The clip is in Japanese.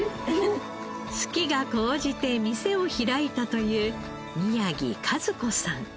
好きが高じて店を開いたという宮城香珠子さん。